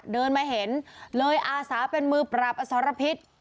เดินมาเห็นเลยอาสาเป็นมือปราบอสรพิษ